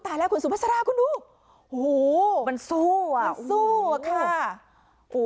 แล้วคุณสุภาษาราคุณดูโอ้โหมันสู้อ่ะมันสู้อะค่ะ